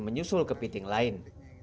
menyusul kepiting lain